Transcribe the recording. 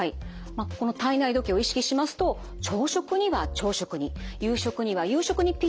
まあこの体内時計を意識しますと朝食には朝食に夕食には夕食にピッタリの料理があるんです。